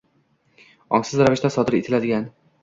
ongsiz ravishda sodir etiladigan